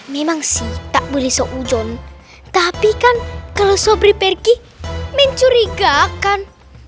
memang sih tak boleh seujom tapi kan kalau sobri pergi mencurigakan